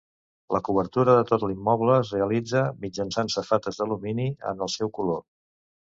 La cobertura de tot l'immoble es realitza mitjançant safates d'alumini en el seu color.